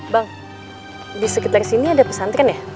bang di sekitar sini ada pesantren ya